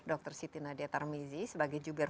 dr siti nadia tarmizi sebagai jubir